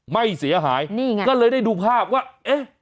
ไม่เสียหายนี่ไงก็เลยได้ดูภาพว่าเอ๊ะ